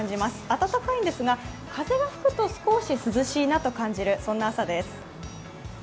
暖かいんですが、風が吹くと少し涼しいなと感じる、そんな朝です。